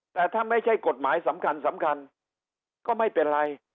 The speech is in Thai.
แต่ถ้าไม่ใช่กฎหมายสำคัญสำคัญก็ไม่เป็นไร